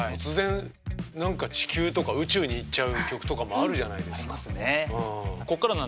突然地球とか宇宙に行っちゃう曲とかもあるじゃないですか。